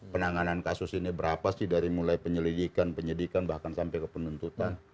penanganan kasus ini berapa sih dari mulai penyelidikan penyidikan bahkan sampai ke penuntutan